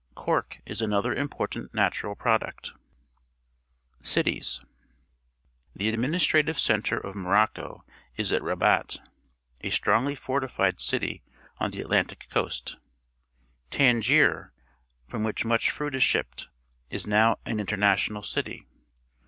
Cork is another important natural product. Cities. — The admimstrative centre of Mo rocco is at Rabat, a strongly fortified city on the Atlantic coast. Tangier, from which much fruit is shipped, is now an international city.